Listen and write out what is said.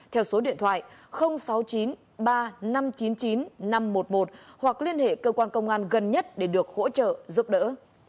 theo số điện thoại sáu chín ba năm chín chín năm một một hoặc liên hệ cơ quan công an gần nhất để được hỗ trợ giúp đỡ